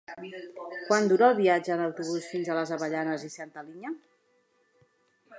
Quant dura el viatge en autobús fins a les Avellanes i Santa Linya?